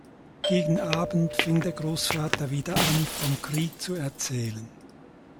Gegen Abend fing der Großvater wieder an vom Krieg zu erzählen.